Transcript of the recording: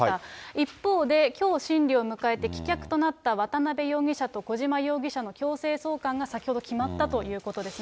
一方で、きょう審理を迎えて棄却となった渡辺容疑者と小島容疑者の強制送還が先ほど決まったということですね。